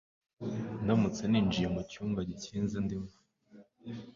Ndamutse ninjiye mu cyumba gikinze ndimo